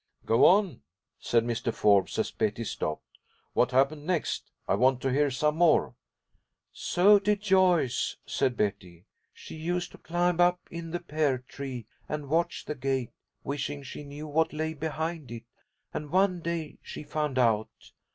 "Go on," said Mr. Forbes, as Betty stopped. "What happened next? I want to hear some more." "So did Joyce," said Betty. "She used to climb up in the pear tree and watch the gate, wishing she knew what lay behind it, and one day she found out.